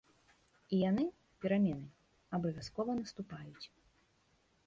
І яны, перамены, абавязкова наступаюць.